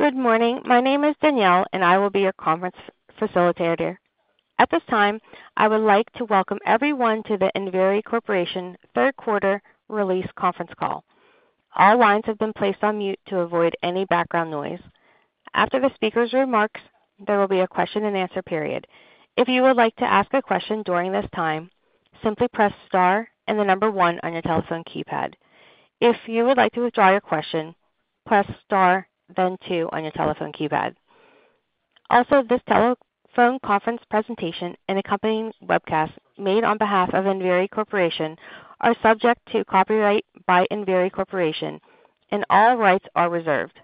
Good morning. My name is Danielle and I will be your conference facilitator. At this time, I would like to welcome everyone to the Enviri Corporation third quarter release conference call. All lines have been placed on mute to avoid any background noise. After the speaker's remarks, there will be a question and answer period. If you would like to ask a question during this time, simply press Star and the number one on your telephone keypad. If you would like to withdraw your question, press Star then two on your telephone keypad also. This telephone conference presentation and accompanying webcast made on behalf of Enviri Corporation are subject to copyright by Enviri Corporation and all rights are reserved.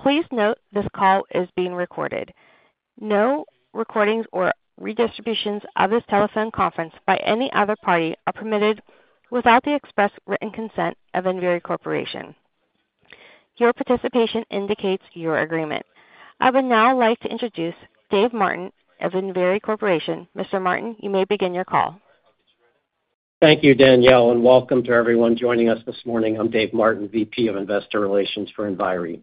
Please note, this call is being recorded. No recordings or redistributions of this telephone conference by any other party are permitted without the express written consent of Enviri Corporation. Your participation indicates your agreement. I would now like to introduce Dave Martin of Enviri Corporation. Mr. Martin, you may begin your call. Thank you, Danielle, and welcome to everyone joining us this morning. I'm Dave Martin, Vice President of Investor Relations for Enviri.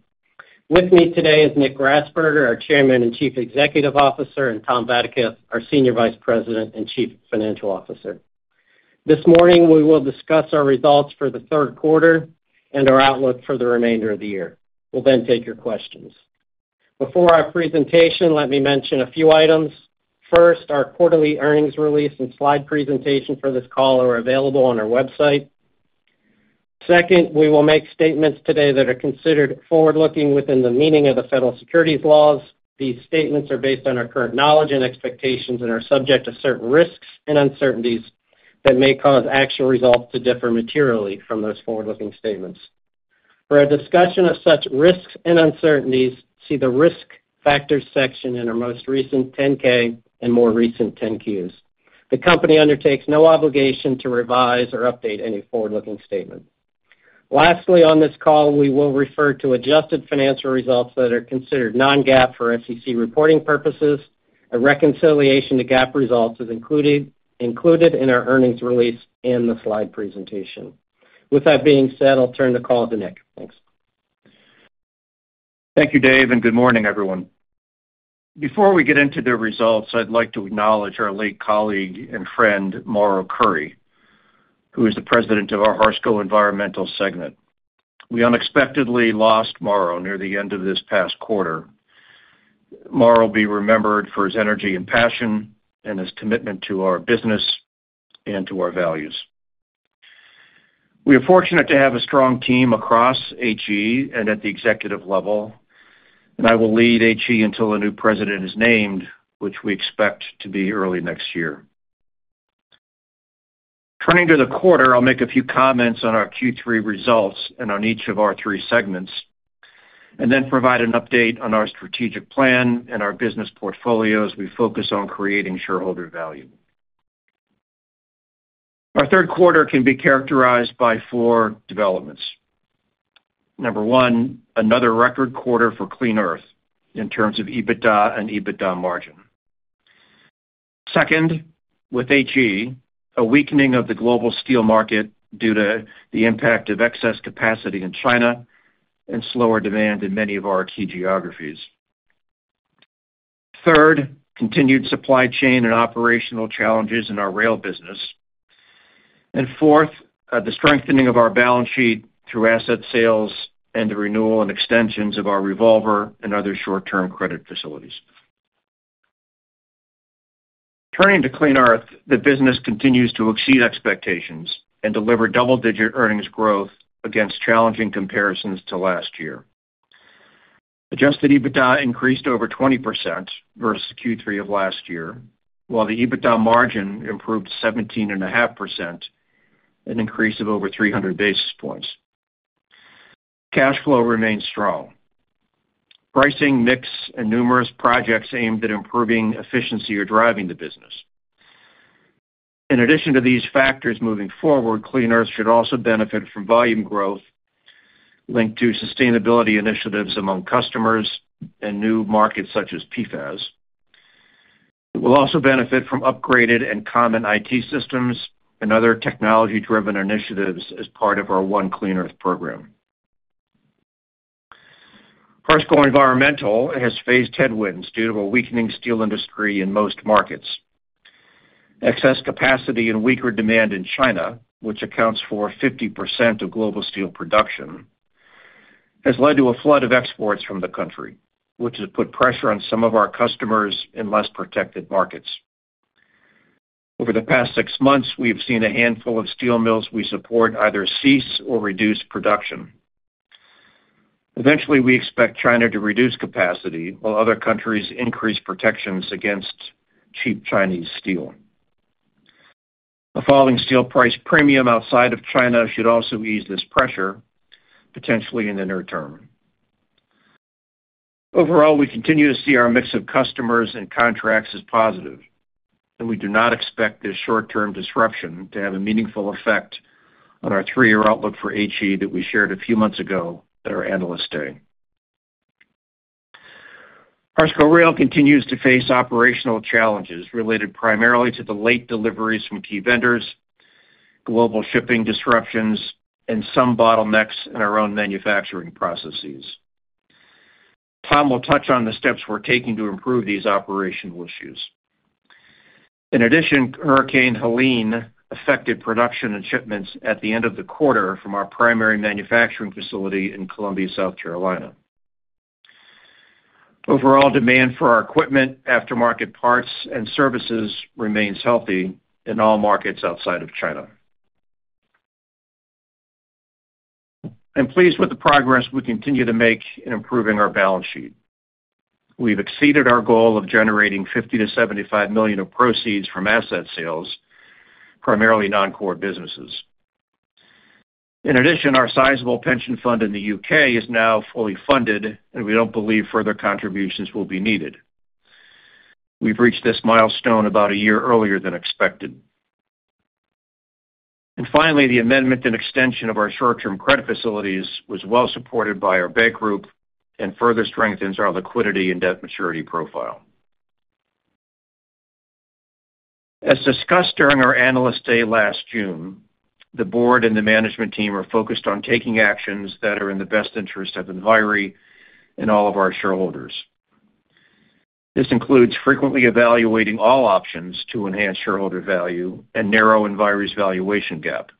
With me today is Nick Grasberger, our Chairman and Chief Executive Officer, and Tom Vadaketh, our Senior Vice President and Chief Financial Officer. This morning we will discuss our results for the third quarter and our outlook for the remainder of the year. We'll then take your questions. Before our presentation, let me mention a few items. First, our quarterly earnings release and slide presentation for this call are available on our website. Second, we will make statements today that are considered forward looking within the meaning of the federal securities laws. These statements are based on our current knowledge and expectations and are subject to certain risks and uncertainties and that may cause actual results to differ materially from those forward looking statements. For a discussion of such risks and uncertainties, see the Risk Factors section. In our most recent 10-K and more recent 10-Qs, the company undertakes no obligation to revise or update any forward-looking statement. Lastly, on this call we will refer to adjusted financial results that are considered non-GAAP for SEC reporting purposes. A reconciliation to GAAP results is included in our earnings release and the slide presentation. With that being said, I'll turn the call to Nick. Thanks. Thank you, Dave. Good morning everyone. Before we get into the results, I'd like to acknowledge our late colleague and friend, Mauro Curi, who is the President of our Harsco Environmental segment. We unexpectedly lost Mauro near the end of this past quarter. Mauro will be remembered for his energy and passion and his commitment to our business and to our values. We are fortunate to have a strong team across HE and at the executive level, and I will lead HE until a new President is named, which we expect to be early next year. Turning to the quarter, I'll make a few comments on our Q3 results and on each of our three segments and then provide an update on our strategic plan and our business portfolio as we focus on creating shareholder value. Our third quarter can be characterized by four developments. Number one, another record quarter for Clean Earth in terms of EBITDA and EBITDA margin. Second, with HE, a weakening of the global steel market due to the impact of excess capacity in China and slower demand in many of our key geographies. Third, continued supply chain and operational challenges in our rail business. And fourth, the strengthening of our balance sheet through asset sales and the renewal and extensions of our revolver and other short-term credit facilities. Turning to Clean Earth, the business continues to exceed expectations and deliver double-digit earnings growth against challenging comparisons to last year. Adjusted EBITDA increased over 20% versus Q3 of last year while the EBITDA margin improved 17.5%, an increase of over 300 basis points. Cash flow remains strong. Pricing mix and numerous projects aimed at improving efficiency are driving the business. In addition to these factors moving forward, Clean Earth should also benefit from volume growth linked to sustainability initiatives among customers and new markets such as PFAS. We'll also benefit from upgraded and common IT systems and other technology driven initiatives. As part of our One Clean Earth program. Harsco Environmental has faced headwinds due to a weakening steel industry in most markets. Excess capacity and weaker demand in China, which accounts for 50% of global steel production, has led to a flood of exports from the country which has put pressure on some of our customers in less protected markets. Over the past six months we have seen a handful of steel mills we support either cease or reduce production. Eventually, we expect China to reduce capacity while other countries increase protections against cheap Chinese steel. A falling steel price premium outside of China should also ease this pressure potentially in the near term. Overall, we continue to see our mix of customers and contracts as positive and we do not expect this short-term disruption to have a meaningful effect on our three-year outlook for HE that we shared a few months ago. Harsco Rail continues to face operational challenges related primarily to the late deliveries from key vendors, global shipping disruptions, and some bottlenecks in our own manufacturing processes. Tom will touch on the steps we're taking to improve these operational issues. In addition, Hurricane Helene affected production and shipments at the end of the quarter from our primary manufacturing facility in Columbia, South Carolina. Overall demand for our equipment, aftermarket parts and services remains healthy in all markets outside of China. I'm pleased with the progress we continue to make in improving our balance sheet. We've exceeded our goal of generating $50 million-$75 million of proceeds from asset sales, primarily non-core businesses. In addition, our sizable pension fund in the U.K. is now fully funded and we don't believe further contributions will be needed. We've reached this milestone about a year earlier than expected and finally, the amendment and extension of our short-term credit facilities was well supported by our bank group and further strengthens our liquidity and debt maturity profile. As discussed during our Analyst Day last June, the Board and the management team are focused on taking actions that are in the best interest of Enviri and all of our shareholders. This includes frequently evaluating all options to enhance shareholder value and narrow Enviri's valuation gap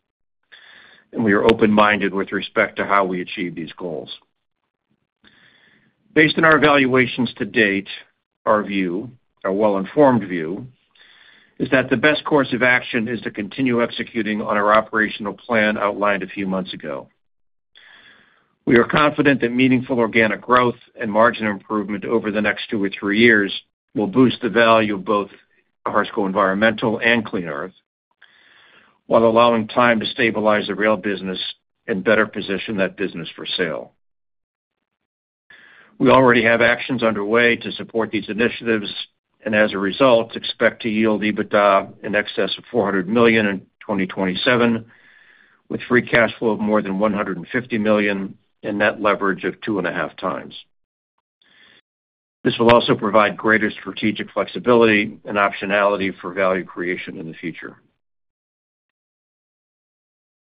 and we are open-minded with respect to how we achieve these goals based on our evaluations to date. Our view, our well informed view is that the best course of action is to continue executing on our operational plan outlined a few months ago. We are confident that meaningful organic growth and margin improvement over the next two or three years will boost the value of both Harsco Environmental and Clean Earth while allowing time to stabilize the rail business and better position that business for sale. We already have actions underway to support these initiatives and as a result expect to yield EBITDA in excess of $400 million in 2027 with free cash flow of more than $150 million and net leverage of 2.5x. This will also provide greater strategic flexibility and optionality for value creation in the future.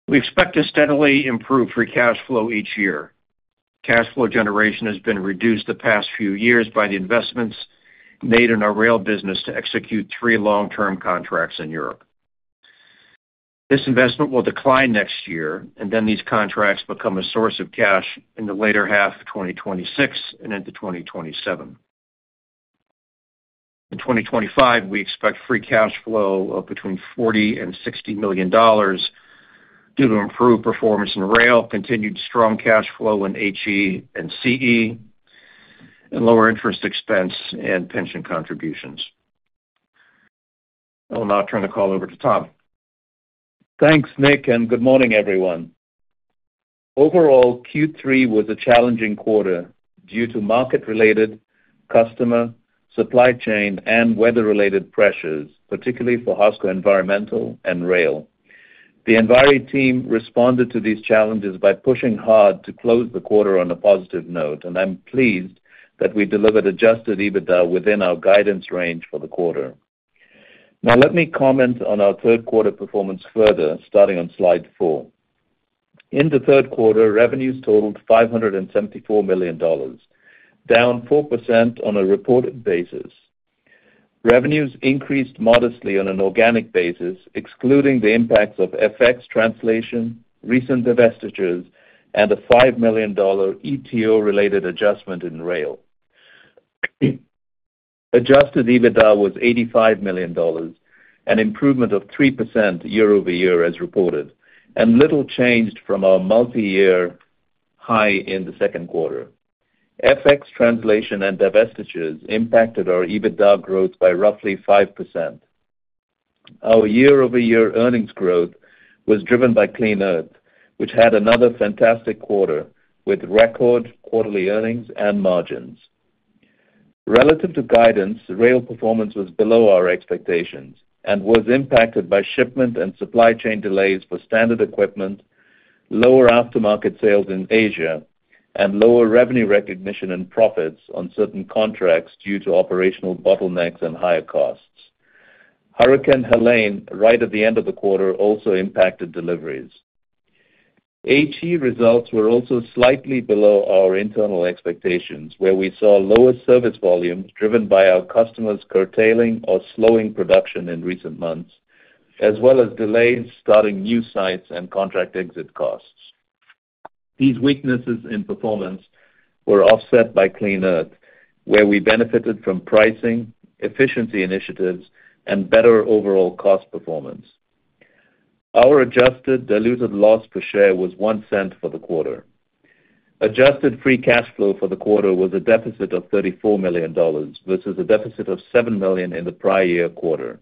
We expect to steadily improve free cash flow each year. Cash flow generation has been reduced the past few years by the investments made in our rail business to execute three long-term contracts in Europe. This investment will decline next year and then these contracts become a source of cash in the later half of 2026 and into 2027. In 2025 we expect free cash flow of between $40 million and $60 million due to improved performance in rail, continued strong cash flow in HE and CE and lower interest expense and pension contributions. I will now turn the call over to Tom. Thanks, Nick, and good morning, everyone. Overall Q3 was a challenging quarter due to market-related customer supply-chain and weather-related pressures, particularly for Harsco Environmental and Rail. The Enviri team responded to these challenges by pushing hard to close the quarter on a positive note, and I'm pleased that we delivered adjusted EBITDA within our guidance range for the quarter. Now let me comment on our third quarter performance further starting on slide four. In the third quarter revenues totaled $574 million, down 4% on a reported basis. Revenues increased modestly on an organic basis. Excluding the impacts of FX translation, recent divestitures, and a $5 million ETO-related adjustment in rail. Adjusted EBITDA was $85 million, an improvement of 3% year-over-year as reported and little changed from our multi-year high in the second quarter. FX translation and divestitures impacted our EBITDA growth by roughly 5%. Our year-over-year earnings growth was driven by Clean Earth which had another fantastic quarter with record quarterly earnings and margins relative to guidance. Rail performance was below our expectations and was impacted by shipment and supply chain delays for standard equipment, lower aftermarket sales in Asia and lower revenue recognition and profits on certain contracts due to operational bottlenecks and higher costs. Hurricane Helene right at the end of the quarter also impacted deliveries. HE results were also slightly below our internal expectations where we saw lower service volumes driven by our customers curtailing or slowing production in recent months as well as delays starting new sites and contract exit costs. These weaknesses in performance were offset by Clean Earth where we benefited from pricing efficiency initiatives and better overall cost performance. Our adjusted diluted loss per share was $0.01 for the quarter. Adjusted free cash flow for the quarter was a deficit of $34 million versus a deficit of $7 million in the prior year quarter.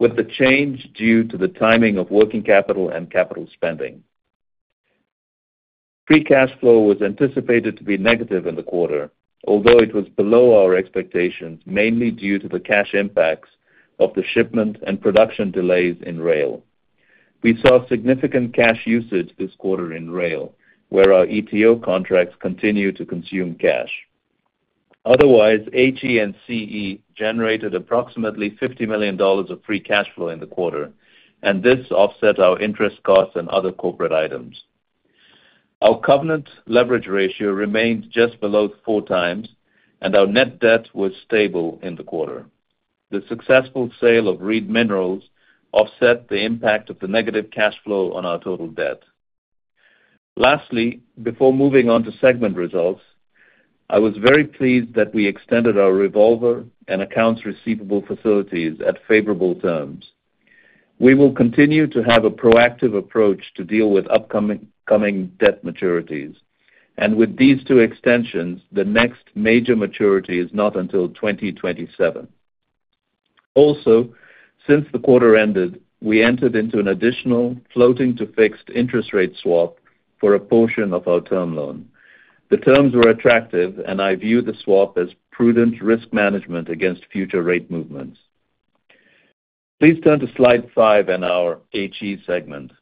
With the change due to the timing of working capital and capital spending. Free cash flow was anticipated to be negative in the quarter although it was below our expectations mainly due to the cash impacts of the shipment and production delays. In Rail. We saw significant cash usage this quarter in Rail where our ETO contracts continue to consume cash. Otherwise, HE and CE generated approximately $50 million of free cash flow in the quarter and this offset our interest costs and other corporate items. Our covenant leverage ratio remained just below four times and our net debt was stable in the quarter. The successful sale of Reed Minerals offset the impact of the negative cash flow on our total debt. Lastly, before moving on to segment results, I was very pleased that we extended our revolver and accounts receivable facilities at favorable terms. We will continue to have a proactive approach to deal with upcoming debt maturities and with these two extensions the next major maturity is not until 2027. Also, since the quarter ended, we entered into an additional floating to fixed interest rate swap for a portion of our term loan. The terms were attractive and I view the swap as prudent risk management against future rate movements. Please turn to slide five. In our HE segment,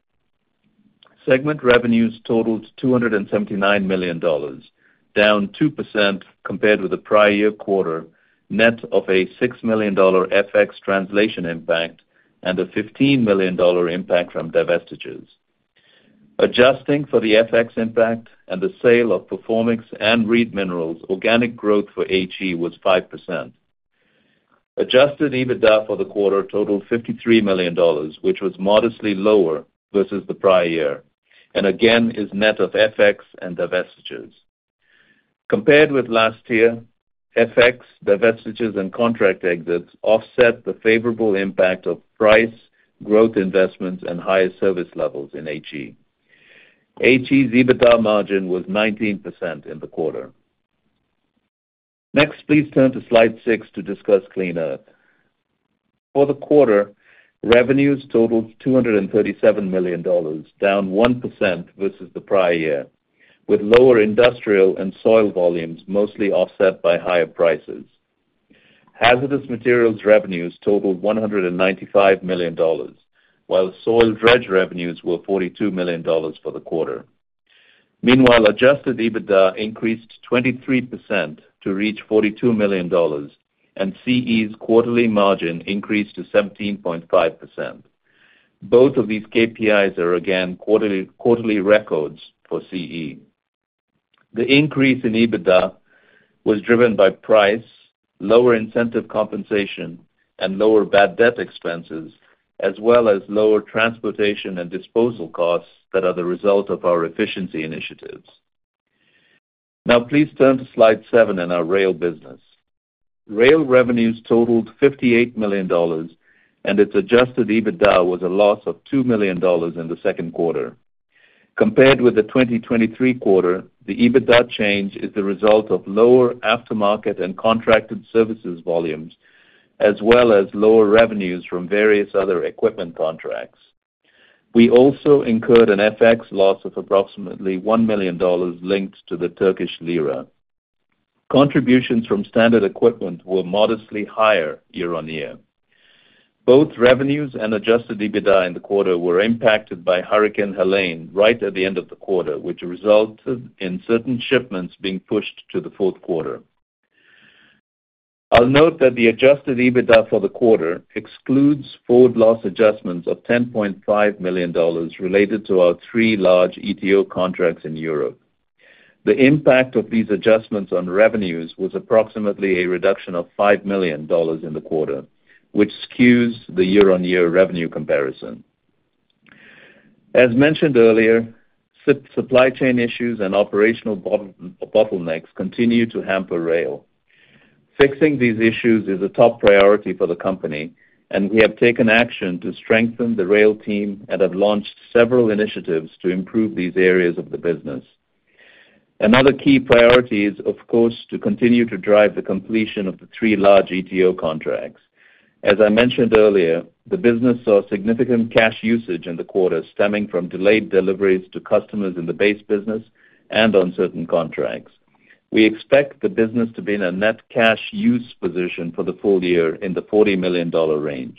segment revenues totaled $279 million, down 2% compared with the prior year quarter net of a $6 million FX translation impact and a $15 million impact from divestitures. Adjusting for the FX impact and the sale of performance and Reed Minerals, organic growth for HE was 5%. Adjusted EBITDA for the quarter totaled $53 million, which was modestly lower versus the prior year and again is net of FX and divestitures compared with last year. FX divestitures and contract exits offset the favorable impact of price growth, investments and higher service levels. In HE's EBITDA margin was 19% in the quarter. Next, please turn to slide six to discuss Clean Earth. For the quarter, revenues totaled $237 million, down 1% versus the prior year, with lower industrial and soil volumes mostly offset by higher prices. Hazardous materials revenues totaled $195 million while soil dredge revenues were $42 million for the quarter. Meanwhile, adjusted EBITDA increased 23% to reach $42 million and CE's quarterly margin increased to 17.5%. Both of these KPIs are again quarterly records for CE. The increase in EBITDA was driven by price, lower incentive compensation and lower bad debt expenses, as well as lower transportation and disposal costs that are the result of our efficiency initiatives. Now please turn to slide seven. In our rail business, rail revenues totaled $58 million and its adjusted EBITDA was a loss of $2 million in the second quarter compared with the 2023 quarter. The EBITDA change is the result of lower aftermarket and contracted services volumes as well as lower revenues from various other equipment contracts. We also incurred an FX loss of approximately $1 million linked to the Turkish lira. Contributions from Standard Equipment were modestly higher year on year. Both revenues and adjusted EBITDA in the quarter were impacted by Hurricane Helene right at the end of the quarter, which resulted in certain shipments being pushed to the fourth quarter. I'll note that the Adjusted EBITDA for the quarter excludes forward loss adjustments of $10.5 million related to our three large ETO contracts in Europe. The impact of these adjustments on revenues was approximately a reduction of $5 million in the quarter, which skews the year-on-year revenue comparison as mentioned earlier. Supply chain issues and operational bottlenecks continue to hamper rail. Fixing these issues is a top priority for the company, and we have taken action to strengthen the rail team and have launched several initiatives to improve these areas of the business. Another key priority is, of course, to continue to drive the completion of the three large ETO contracts. As I mentioned earlier, the business saw significant cash usage in the quarter stemming from delayed deliveries to customers in the base business and on certain contracts. We expect the business to be in a net cash use position for the full year in the $40 million range.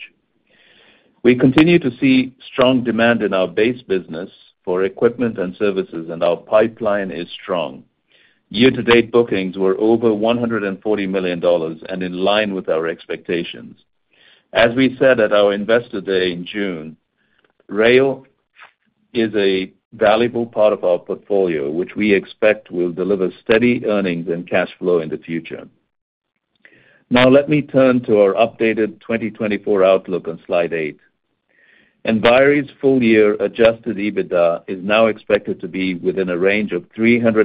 We continue to see strong demand in our base business for equipment and services and our pipeline is strong. Year to date bookings were over $140 million and in line with our expectations. As we said at our Investor Day in June, RAIL is a valuable part of our portfolio which we expect will deliver steady earnings and cash flow in the future. Now let me turn to our updated 2024 outlook on slide eight. Enviri's full year adjusted EBITDA is now expected to be within a range of $317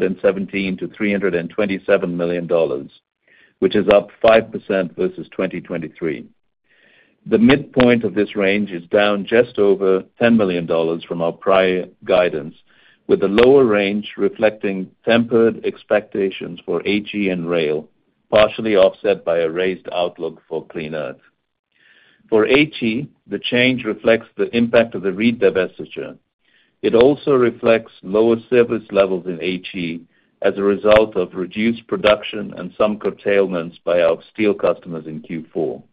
million-$327 million, which is up 5% versus 2023. The midpoint of this range is down just over $10 million from our prior guidance, with the lower range reflecting tempered expectations for HE and Rail, partially offset by a raised outlook for Clean Earth. For HE, the change reflects the impact of the Reed divestiture. It also reflects lower service levels in HE as a result of reduced production and some curtailments by our steel customers in Q4.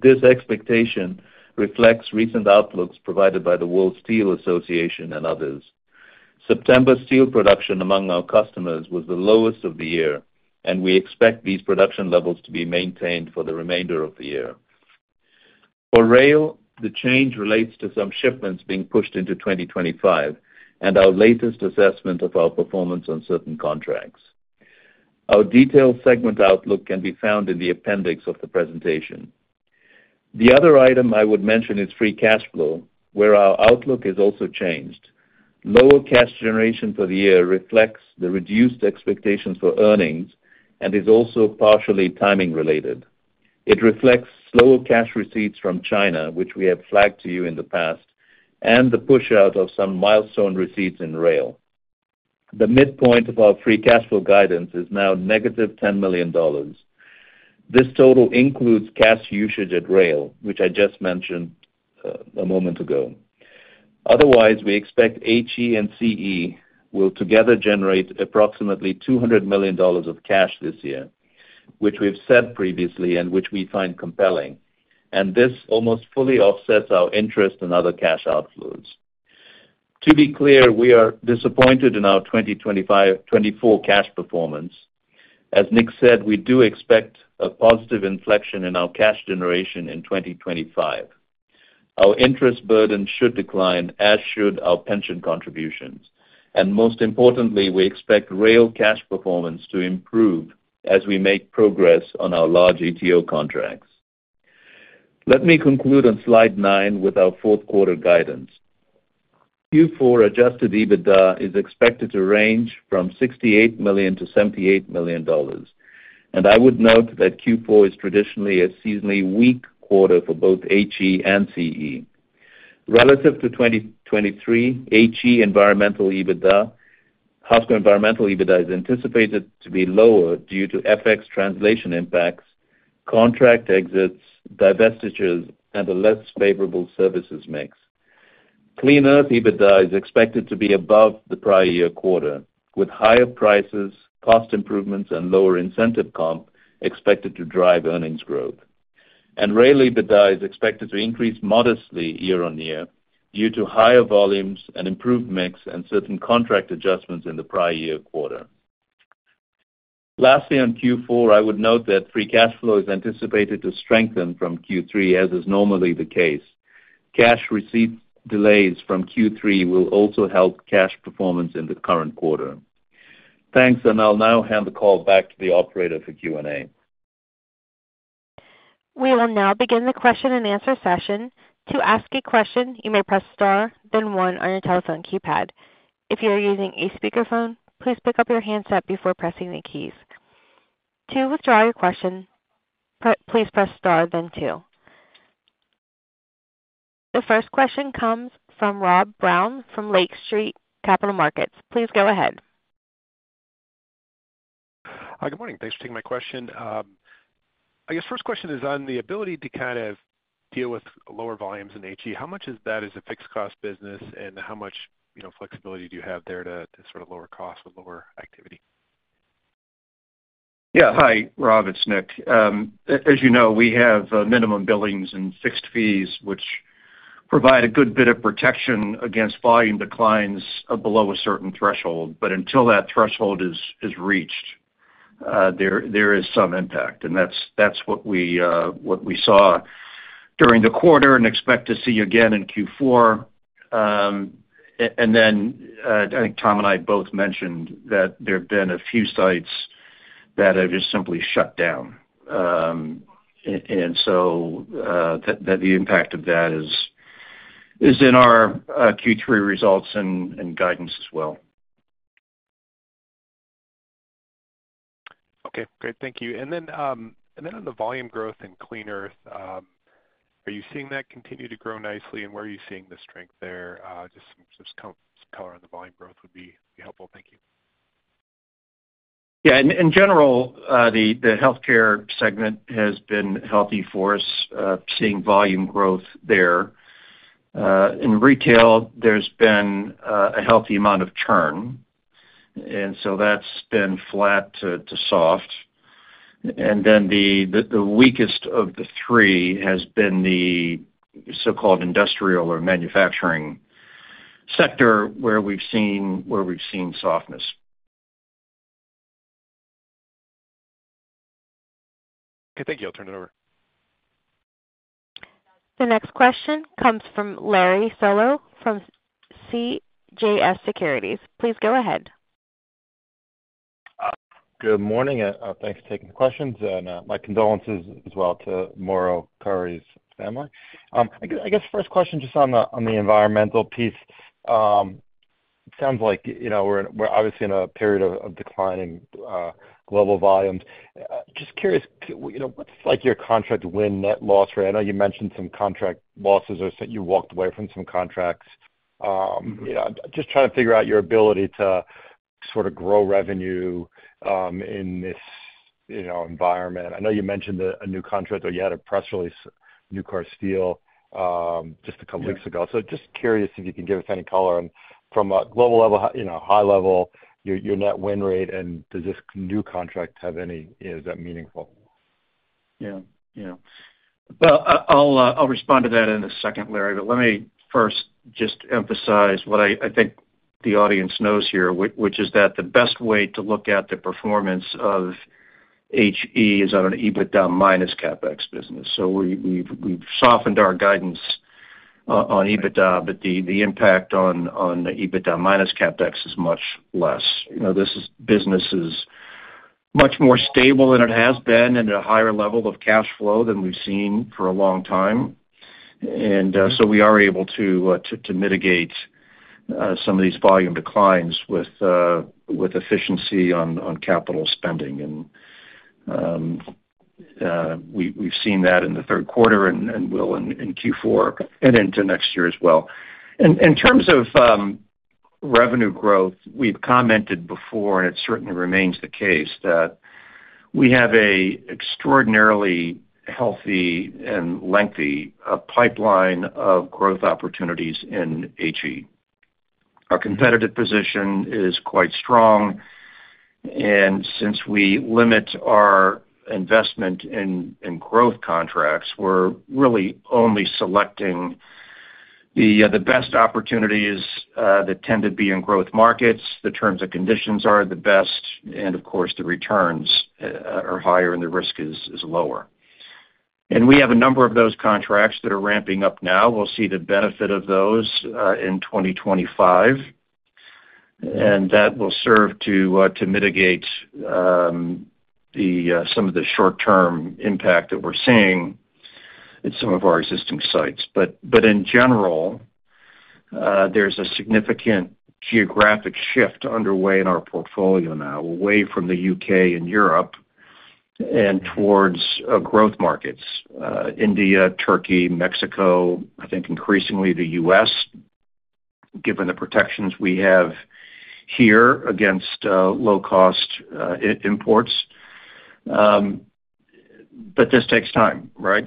This expectation reflects recent outlooks provided by the World Steel Association and others. September steel production among our customers was the lowest of the year and we expect these production levels to be maintained for the remainder of the year. For Rail, the change relates to some shipments being pushed into 2025 and our latest assessment of our performance on certain contracts. Our detailed segment outlook can be found in the appendix of the presentation. The other item I would mention is free cash flow where our outlook is also changed. Lower cash generation for the year reflects the reduced expectations for earnings and is also partially timing related. It reflects slower cash receipts from China which we have flagged to you in the past, and the push out of some milestone receipts in rail. The midpoint of our free cash flow guidance is now -$10 million. This total includes cash usage at Rail which I just mentioned a moment ago. Otherwise, we expect HE and CE will together generate approximately $200 million of cash this year which we have said previously and which we find compelling and this almost fully offsets our interest and other cash outflows. To be clear, we are disappointed in our 2024 cash performance. As Nick said, we do expect a positive inflection in our cash generation in 2025. Our interest burden should decline, as should our pension contributions, and most importantly, we expect real cash performance to improve as we make progress on our large ETO contracts. Let me conclude on slide 9 with our fourth quarter guidance. Q4 adjusted EBITDA is expected to range from $68 million-$78 million, and I would note that Q4 is traditionally a seasonally weak quarter for both HE and CE relative to 2023. Harsco Environmental EBITDA is anticipated to be lower due to FX translation impacts, contract exits, divestitures and a less favorable services mix. Clean Earth EBITDA is expected to be above the prior year quarter with higher prices, cost improvements and lower incentive comp expected to drive earnings growth and rail EBITDA is expected to increase modestly year on year due to higher volumes and improved mix and certain contract adjustments in the prior year quarter. Lastly, on Q4 I would note that free cash flow is anticipated to strengthen from Q3. As is normally the case, cash receipt delays from Q3 will also help cash performance in the current quarter. Thanks and I'll now hand the call back to the operator for Q&A. We will now begin the question-and-answer session. To ask a question, you may press star then one on your telephone keypad. If you are using a speakerphone, please pick up your handset before pressing the keys. To withdraw your question, please press star then two. The first question comes from Rob Brown from Lake Street Capital Markets. Please go ahead. Good morning. Thanks for taking my question. I guess first question is on the ability to kind of deal with lower volumes in HE how much of that is a fixed cost business and how much flexibility do you have there to sort of lower costs with lower activity? Yeah, hi Rob, it's Nick. As you know, we have minimum billings and fixed fees which provide a good bit of protection against volume declines below a certain threshold. But until that threshold is reached there is some impact and that's what we saw during the quarter and expect to see again in Q4. And then I think Tom and I both mentioned that there have been a few sites that have just simply shut down and so the impact of that is in our Q3 results and guidance as well. Okay, great. Thank you. And then on the volume growth in Clean Earth, are you seeing that continue to grow nicely and where are you seeing the strength there? Just some color on the volume growth would be helpful. Thank you. Yeah. In general, the Healthcare segment has been healthy for us, seeing volume growth there. In retail, there's been a healthy amount of churn. And so that's been flat to soft. And then the weakest of the three has been the so-called industrial or manufacturing sector where we've seen softness. Okay, thank you. I'll turn it over. The next question comes from Larry Solow from CJS Securities. Please go ahead. Good morning. Thanks for taking the questions and my condolences as well to Mauro Curi's family, I guess. First question just on the environmental piece. It sounds like we're obviously in a period of declining global volumes. Just curious what's like your contract win net loss, right. I know you mentioned some contract losses or you walked away from some contracts just trying to figure out your ability to sort of grow revenue in this environment. I know you mentioned a new contract or you had a press release Nucor Steel just a couple weeks ago. So just curious if you can give us any color from a global level, high level, your net win rate and. Does this new contract have any? Is that meaningful? Yeah, well, I'll respond to that in a second, Larry, but let me first just emphasize what I think the audience knows here, which is that the best way to look at the performance of HE is on an EBITDA minus CapEx basis. So we've softened our guidance on EBITDA, but the impact on EBITDA minus CapEx is much this business is much more stable than it has been at a higher level of cash flow than we've seen for a long time. And so we are able to mitigate some of these volume declines with efficiency on capital spending. We've seen that in the third quarter and will in Q4 and into next year as well. In terms of revenue growth, we've commented before and it certainly remains the case that we have an extraordinarily healthy and lengthy pipeline of growth opportunities in HE. Our competitive position is quite strong and since we limit our investment in growth contracts, we're really only selecting the best opportunities that tend to be in growth markets. The terms and conditions are the best and of course the returns are higher and the risk is lower, and we have a number of those contracts that are ramping up now. We'll see the benefit of those in 2025 and that will serve to mitigate some of the short term impact that we're seeing at some of our existing sites, but in general, there's a significant geographic shift underway in our portfolio now away from the U.K. and Europe and towards growth markets: India, Turkey, Mexico, I think increasingly the U.S. Given the protections we have here against low cost imports. But this takes time. Right?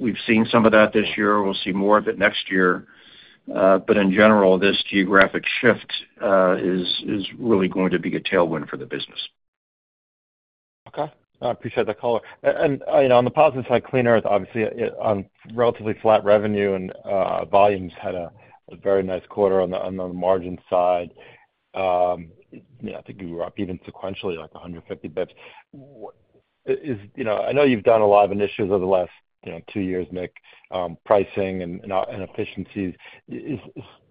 We've seen some of that this year. We'll see more of it next year. But in general this geographic shift is really going to be a tailwind for the business. Okay, I appreciate that. Color and on the positive side, Clean Earth obviously on relatively flat revenue and volumes. Had a very nice quarter. On the margin side, I think you were up even sequentially like 150 basis points. I know you've done a lot of initiatives over the last two years, Nick, pricing and efficiencies.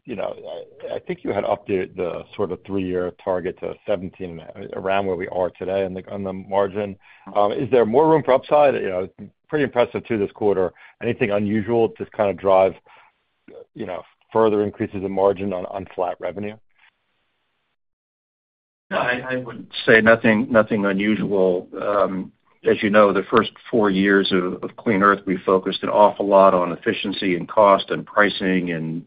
I think you had updated the sort of three-year target to 17% around where we are today on the margin. Is there more room for upside? Pretty impressive too this quarter. Anything unusual? Just kind of drive further increases in margin on flat revenue, I would say nothing unusual. As you know, the first four years of Clean Earth we focused an awful lot on efficiency and cost and pricing and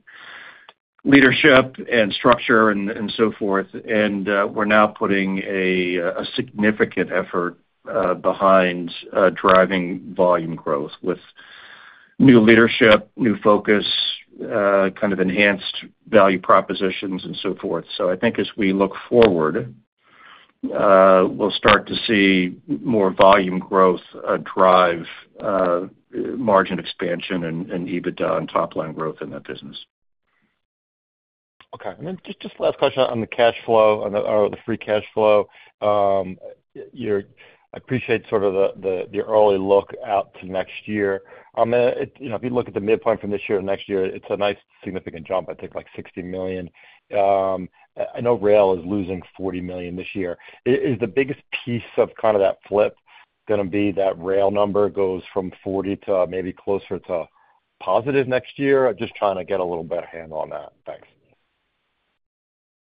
leadership and structure and so forth. We are now putting a significant effort behind driving volume growth with new leadership, new focus, kind of enhanced value propositions and so forth. So I think as we look forward, we'll start to see more volume growth, drive margin expansion and EBITDA and top line growth in that business. Okay, and then just last question on. The cash flow or the free cash flow. I appreciate sort of the early outlook to next year. If you look at the midpoint from this year to next year, it's a nice significant jump. I think like $60 million. I know rail is losing $40 million this year. Is the biggest piece of kind of that flip going to be that rail number goes from $40 million to maybe closer to positive next year? Just trying to get a little better handle on that. Thanks.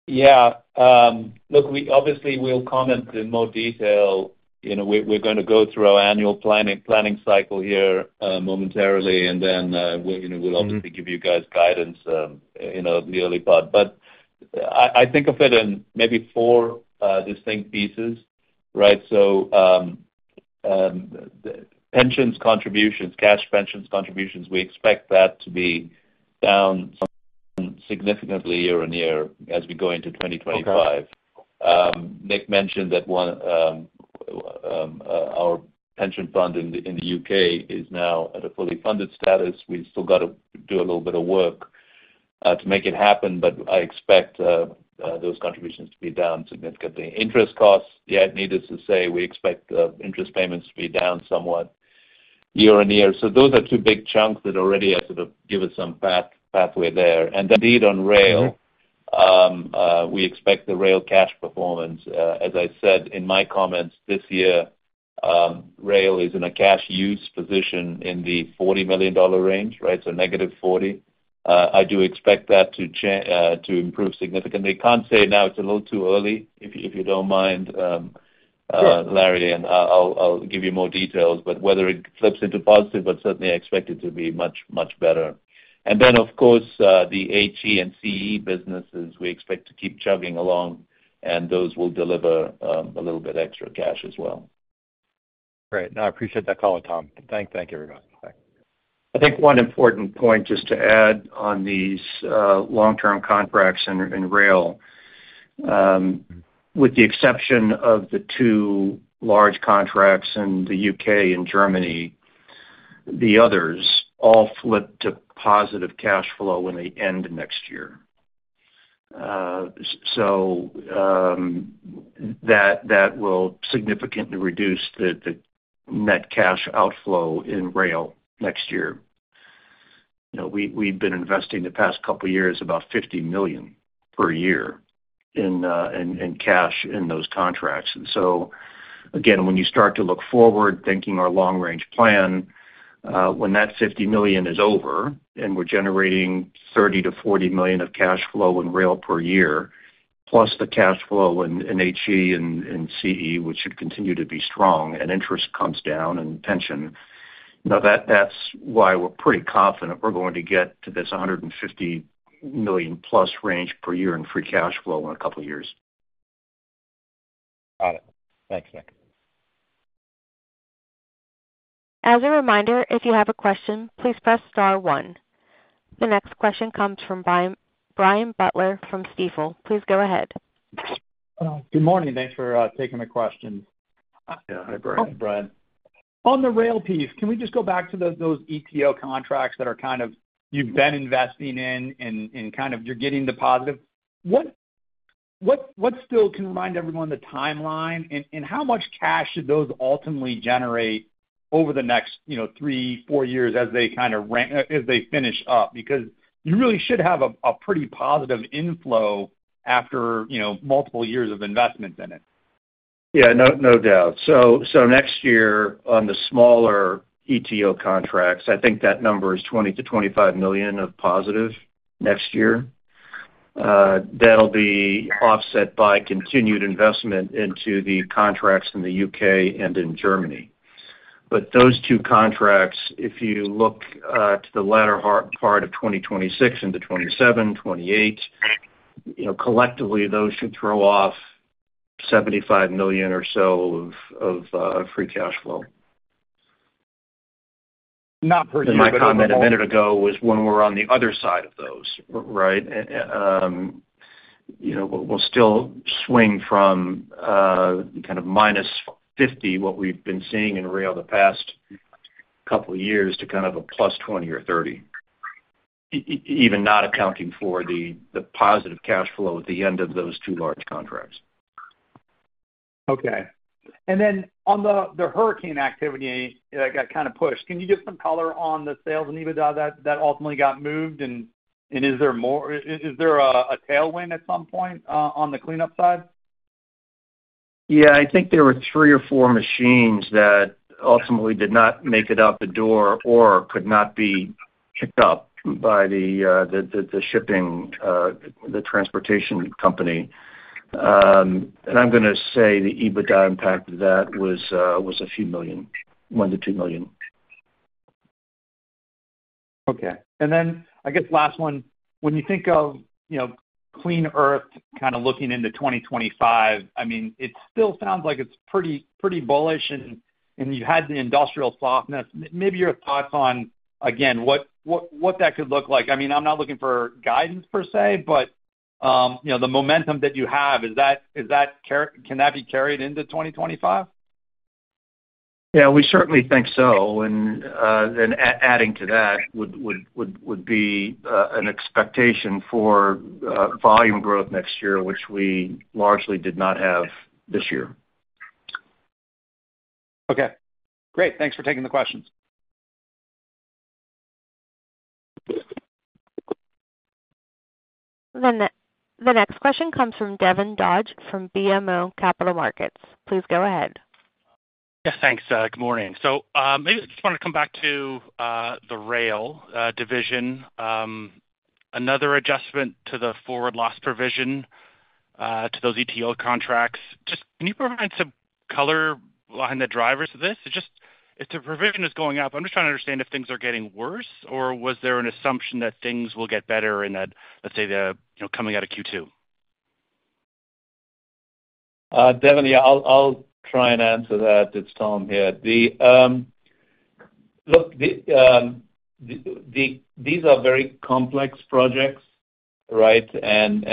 Yeah, look, we obviously will comment in more detail. You know, we're going to go through our annual planning cycle here momentarily and then you know, we'll obviously give you guys guidance in the early part. But I think of it in maybe four distinct pieces. Right. So pensions contributions, cash pensions contributions, we expect that to be down significantly year on year as we go into 2025. Nick mentioned that our pension fund in the U.K. is now at a fully funded status. We still got to do a little bit of work to make it happen, but I expect those contributions to be down significantly. Interest costs. Yet needless to say we expect interest payments to be down somewhat year on year. So those are two big chunks that already give us some pathway there. And then div on Rail, we expect the rail cash performance. As I said in my comments, this year Rail is in a cash use position in the $40 million range. Right. So -40. I do expect that to improve significantly. Can't say now, it's a little too early, if you don't mind, Larry, and I'll give you more details. But whether it flips into positive, but certainly I expect it to be much, much better. And then of course the HE and CE businesses we expect to keep chugging along and those will deliver a little bit extra cash as well. Great, I appreciate that call Tom. Thank you everybody. I think one important point just to add on these long term contracts in rail, with the exception of the two large contracts in the U.K. and Germany, the others all flip to positive cash flow when they end next year. So that will significantly reduce the net cash outflow in rail next year. We've been investing the past couple years about $50 million per year in cash in those contracts. So, again, when you start to look forward thinking our long range plan, when that $50 million is over and we're generating $30 million-$40 million of cash flow in rail per year plus the cash flow in HE and CE which should continue to be strong and interest comes down and pension now that's why we're pretty confident we're going to get to this $150 million plus range per year in free cash flow in a couple years. Got it. Thanks, Nick. As a reminder, if you have a question, please press star one. The next question comes from Brian Butler from Stifel. Please go ahead. Good morning. Thanks for taking my question. On the rail piece. Can we just go back to those? ETO contracts that are kind of you've been investing in and kind of you're. Getting the positive, what still can remind. Everyone, the timeline and how much cash those ultimately generate over the next three, four years as they kind of rank as they finish up. Because you really should have a pretty. Positive inflow after multiple years of investment in it. Yeah, no doubt. So next year on the smaller ETO contracts, I think that number is $20 million-$25 million of positive next year. That'll be offset by continued investment into the contracts in the U.K. and in Germany. But those two contracts, if you look to the latter part of 2026 into 2027, 2028 collectively those should throw off $75 million or so of free cash flow. My comment a minute ago was when we're on the other side of those, right, you know, we'll still swing from kind of -$50 what we've been seeing in rail the past couple years to kind of a +$20 or +$30 even not accounting for the positive cash flow at the end of those two large contracts. Okay. And then on the hurricane activity that got kind of pushed. Can you give some color on the. Sales and EBITDA that ultimately got moved? And is there more? Is there a tailwind at some point on the cleanup side? Yeah, I think there were three or four machines that ultimately did not make it out the door or could not be picked up by the shipping, the transportation company. And I'm going to say the EBITDA impact of that was a few million, $1 million-$2 million. Okay, and then I guess last one, when? You think of Clean Earth, kind of looking into 2025, it still sounds like it's pretty bullish. And you had the industrial softness. Maybe your thoughts on again what that could look like? I mean, I'm not looking for guidance. Per se, but the momentum that you have, can that be carried into 2025? Yeah, we certainly think so, and adding to that would be an expectation for volume growth next year, which we largely did not have this year. Okay, great. Thanks for taking the questions. The next question comes from Devin Dodge from BMO Capital Markets. Please go ahead. Yes, thanks. Good morning. So I just wanted to come back to the rail division. Another adjustment to the forward loss provision to those ETO contracts. Just, can you provide some color behind the drivers of this just going up? I'm just trying to understand if things are getting worse or was there an assumption that things will get better and that, let's say, coming out of Q2. Devin? Yeah, I'll try and answer that. It's Tom here. Look, these are very complex projects, right, and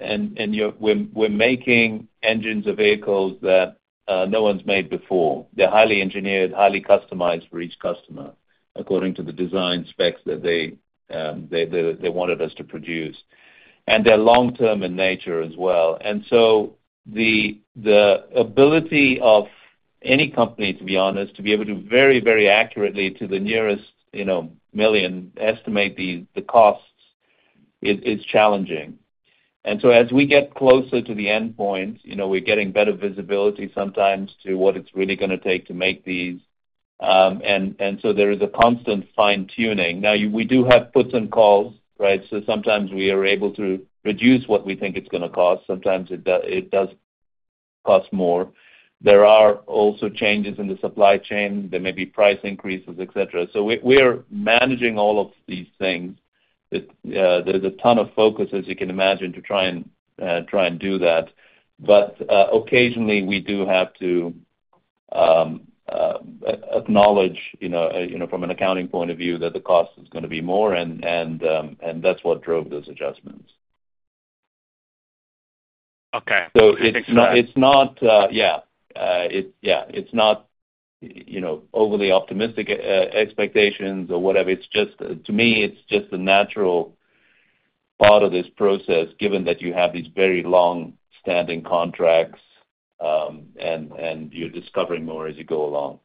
we're making engines of vehicles that no one's made before. They're highly engineered, highly customized for each customer according to the design specs that they wanted us to produce, and they're long term in nature as well, and so the ability of any company, to be honest, to be able to very, very accurately, to the nearest million estimate the costs is challenging, and so as we get closer to the endpoint, we're getting better visibility sometimes to what it's really going to take to make these, and so there is a constant fine tuning. Now we do have puts and calls, so sometimes we are able to reduce what we think it's going to cost. Sometimes it does cost more. There are also changes in the supply chain, there may be price increases, etc. So we are managing all of that. These things, there's a ton of focus, as you can imagine, to try and do that. But occasionally we do have to acknowledge from an accounting point of view that the cost is going to be more and that's what drove those adjustments. Okay. It's not overly optimistic expectations or whatever. It's just, to me, it's just a natural part of this process given that you have these very long standing contracts and you're discovering more as you go along.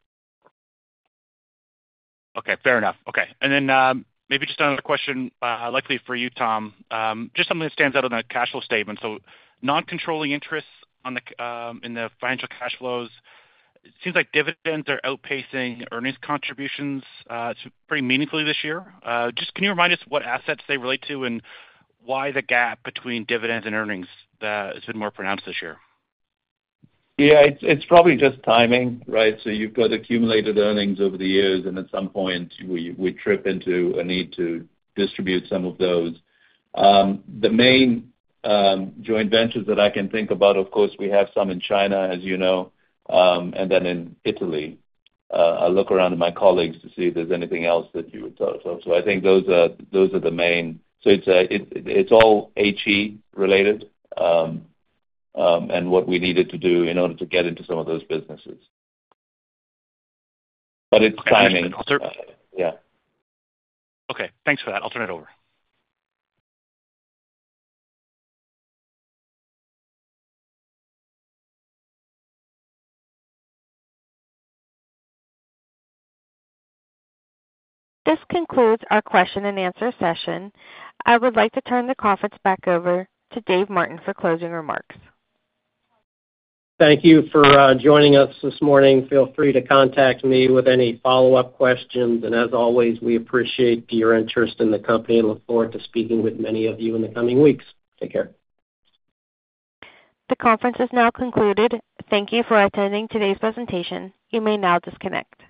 Okay, fair enough. Okay. And then maybe just another question, likely for you, Tom, just something that stands out on that cash flow statement. So non-controlling interests in the financing cash flows. It seems like dividends are outpacing earnings contributions pretty meaningfully this year. Just, can you remind us what assets they relate to and why the gap between dividends and earnings has been more pronounced this year? Yeah, it's probably just timing, right? So you've got accumulated earnings over the years and at some point we trip into a need to distribute some of those. The main joint ventures that I can think about. Of course, we have some in China, as you know, and then in Italy. I look around at my colleagues to see if there is anything else that you would tell us of. So I think those are the main. So it's all HE related and what we needed to do in order to get into some of those businesses. But it's timing. Okay, thanks for that. I'll turn it over. This concludes our question and answer session. I would like to turn the conference back over to Dave Martin for closing remarks. Thank you for joining us this morning. Feel free to contact me with any follow-up questions. And as always, we appreciate your interest in the company. Look forward to speaking with many of you in the coming weeks. Take care. The conference is now concluded. Thank you for attending today's presentation. You may now disconnect.